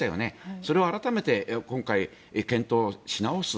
それを改めて今回、検討し直す